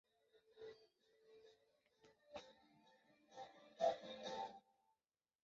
他的足球生涯开始于康纳斯码头足球俱乐部。